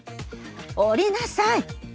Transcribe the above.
下りなさい。